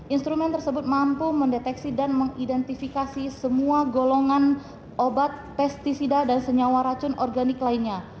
instrumen tersebut mampu mendeteksi dan mengidentifikasi semua golongan obat pesticida dan senyawa racun organik lainnya